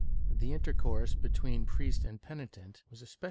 The intercourse between priest and penitent was especially ^ S.